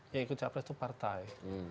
yang ikut capres itu partai